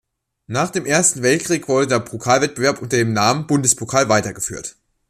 Nach dem Ersten Weltkrieg wurde der Pokalwettbewerb unter dem Namen Bundespokal weitergeführt.